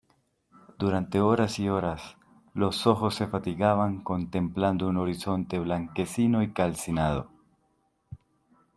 durante horas y horas, los ojos se fatigaban contemplando un horizonte blanquecino y calcinado.